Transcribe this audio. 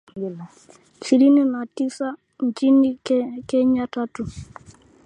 ishirini na tisa nchini Kenya tatu